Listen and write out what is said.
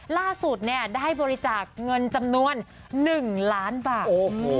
ล่าสุดได้บริจาคเงินจำนวน๑ล้านบาท